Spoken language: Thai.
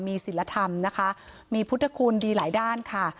มีศิลธรรมนะคะมีพุทธคุณดีหลายด้านค่ะ